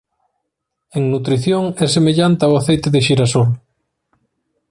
En nutrición é semellante ao aceite de xirasol.